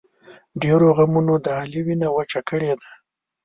ډېرو غمونو د علي وینه وچه کړې ده.